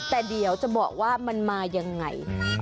แต่เดี๋ยวจะบอกว่ามันมายังไง